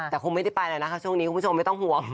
แต่คงไม่ได้ไปแล้วนะคะช่วงนี้คุณผู้ชมไม่ต้องห่วง